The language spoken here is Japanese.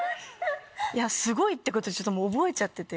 いやすごいってことでもう覚えちゃってて。